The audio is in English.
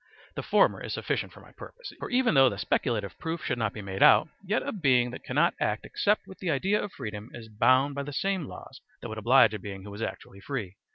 The former is sufficient for my purpose; for even though the speculative proof should not be made out, yet a being that cannot act except with the idea of freedom is bound by the same laws that would oblige a being who was actually free.